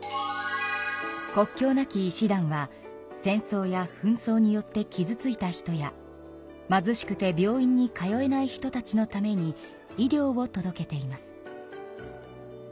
国境なき医師団は戦争やふん争によってきずついた人や貧しくて病院に通えない人たちのために医療を届けています。